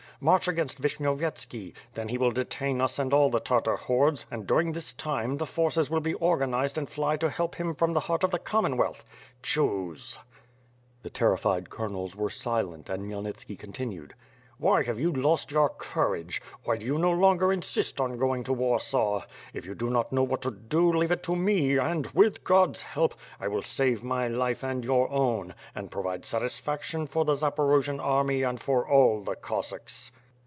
March against Vishnyov yetski. Then he will detain us and all the Tartar hordes and, during this time, the forces will be organized and fly to help him from the heart of the Commonwealth. Choose! ...^' The terrified colonels were silent and Khmyelnitski con tinued: "Why have you lost your courage? Why do you no longer insist on going to Warsaw? If you do not know what to do, leave it to me and, with God's help, I will save my life and your own, and provide satisfaction for the Zaporojian army and for all the Cossacks."